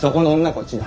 こっちだ。